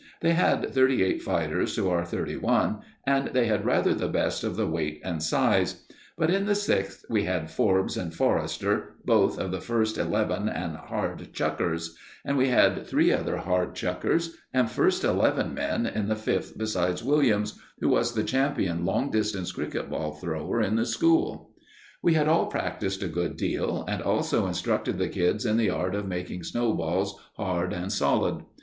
They had thirty eight fighters to our thirty one, and they had rather the best of the weight and size; but in the Sixth we had Forbes and Forrester, both of the first eleven and hard chuckers; and we had three other hard chuckers and first eleven men in the Fifth, besides Williams, who was the champion long distance cricket ball thrower in the school. We had all practised a good deal, and also instructed the kids in the art of making snowballs hard and solid.